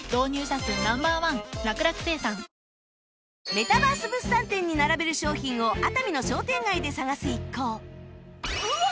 メタバース物産展に並べる商品を熱海の商店街で探す一行